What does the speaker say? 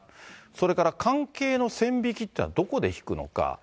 それから関係の線引きっていうのは、どこで引くのか。